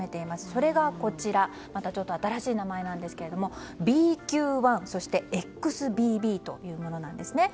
それが、新しい名前なんですがＢＱ．１そしてＸＢＢというものです。